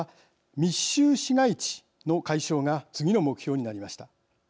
密集市街地の解消が次の目標になりました。